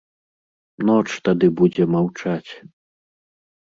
Ноч тады будзе маўчаць.